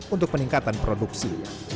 untuk peningkatan produksi